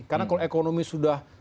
karena kalau ekonomi sudah